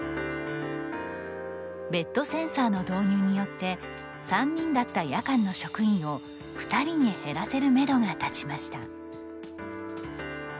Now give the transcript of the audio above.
ベッドセンサーの導入によって３人だった夜間の職員を２人に減らせるめどが立ちました。